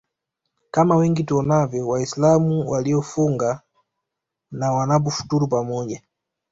kama wengi tuonavyo waislamu waliofunga na wanapofuturu pamoja